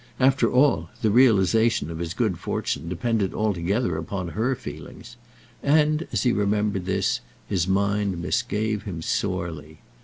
After all, the realization of his good fortune depended altogether upon her feelings; and, as he remembered this, his mind misgave him sorely.